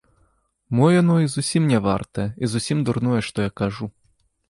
Мо яно і зусім не вартае і зусім дурное, што я кажу.